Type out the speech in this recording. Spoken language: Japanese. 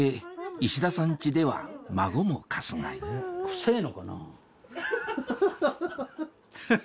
石田さんチでは孫もかすがいハハハ！